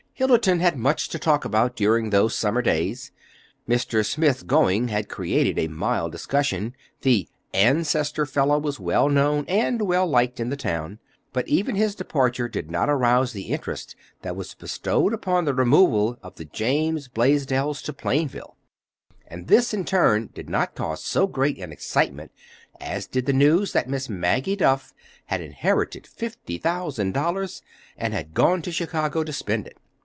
Hillerton had much to talk about during those summer days. Mr. Smith's going had created a mild discussion—the "ancestor feller" was well known and well liked in the town. But even his departure did not arouse the interest that was bestowed upon the removal of the James Blaisdells to Plainville; and this, in turn, did not cause so great an excitement as did the news that Miss Maggie Duff had inherited fifty thousand dollars and had gone to Chicago to spend it.